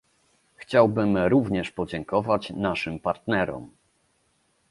Chciałbym również podziękować naszym partnerom